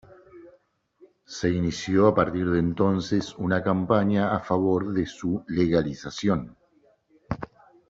Se inició a partir de entonces una campaña a favor de su legalización.